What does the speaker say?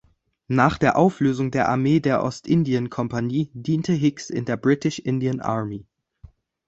Nach der Auflösung der Armee der Ostindien-Kompanie diente Hicks in der British Indian Army.